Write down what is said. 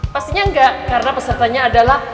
pastinya enggak karena pesertanya adalah